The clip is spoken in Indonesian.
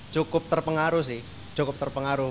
cukup terpengaruh sih cukup terpengaruh